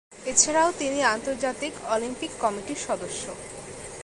এছাড়াও তিনি আন্তর্জাতিক অলিম্পিক কমিটির সদস্য।